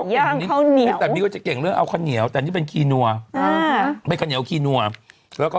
ย่างก้าวนิ้วเก็บจะเขียงเลือนเอาเงี๊ยวแต่นี้เป็นทีรออ่าอ้าอออ่าเป็นที่น่าครีนัวแล้วก็